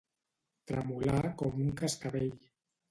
Tremolar com un cascavell.